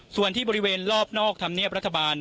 ส่วนที่บริเวณรอบนอกธรรมเนียบรัฐบาล